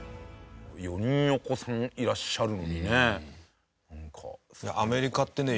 ４人お子さんいらっしゃるのにねなんか。